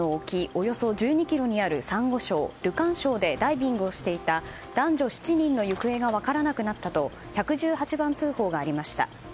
およそ１２ｋｍにあるサンゴ礁ルカン礁でダイビングをしていた男女７人の行方が分からなくなったと１１８番通報がありました。